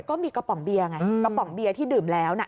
ก็มีกระป๋องเบียร์ไงกระป๋องเบียร์ที่ดื่มแล้วน่ะ